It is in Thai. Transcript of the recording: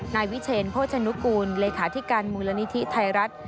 นายวิเชนโภชนุกูลเลขาธิการมูลนิธิไทยรัฐ